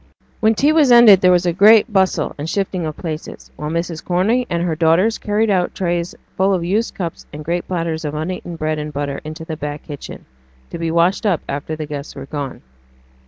When tea was ended there was a great bustle and shifting of places, while Mrs. Corney and her daughters carried out trays full of used cups, and great platters of uneaten bread and butter into the back kitchen, to be washed up after the guests were gone.